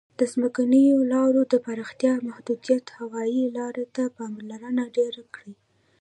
د ځمکنیو لارو د پراختیا محدودیت هوایي لارو ته پاملرنه ډېره کړې.